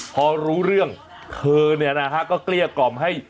พอรู้เรื่องเธอเนี่ยนะฮะก็เกลี้ยกล่อมให้